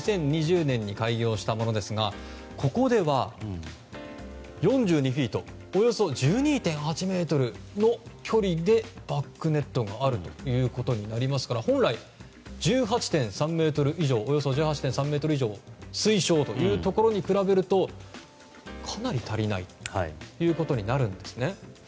２０２０年に開業したものですがここでは４２フィートおよそ１２．８ｍの距離にバックネットがあるということになりますから本来、およそ１８．３ｍ以上推奨というところに比べるとかなり足りないということになるんですね。